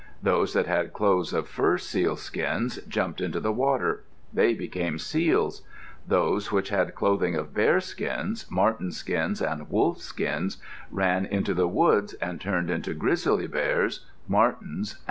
Those that had clothes of fur seal skins jumped into the water; they became seals. Those which had clothing of bear skins, marten skins, and wolf skins, ran into the woods and turned into grizzly bears, martens, and wolves.